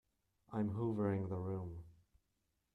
I'm hoovering the room.